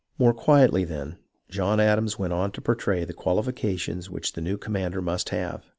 More quietly, then, John Adams went on to portray the qualifications which the new commander must have.